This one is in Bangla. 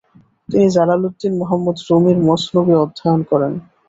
তিনি জালাল উদ্দিন মুহাম্মদ রুমির মসনবি অধ্যয়ন করেন।